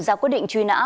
ra quyết định truy nã